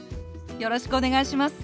よろしくお願いします。